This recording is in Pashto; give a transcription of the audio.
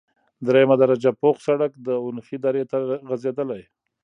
دریمه درجه پوخ سرک د اونخې درې ته غزیدلی،